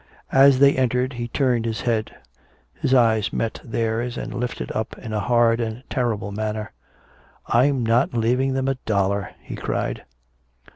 As they entered he turned his head. His eyes met theirs and lighted up in a hard and terrible manner. "I'm not leaving them a dollar!" he cried.